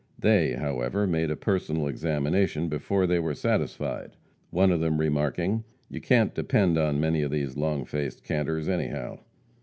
They, however, made a personal examination before they were satisfied, one of them remarking: "You can't depend on many of these long faced canters, anyhow."